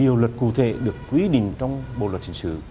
nhiều luật cụ thể được quy định trong bộ luật trình xử